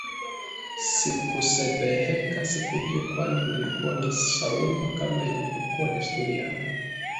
Sikusebeheka siku hiyo kwani nilikuwa na saumu kama ilivyokuwa desturi yangu